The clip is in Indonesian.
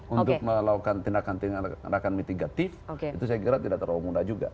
untuk melakukan tindakan tindakan mitigatif itu saya kira tidak terlalu mudah juga